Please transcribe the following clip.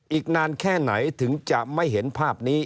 อีกนานแค่ไหนถึงจะไม่เห็นภาพนี้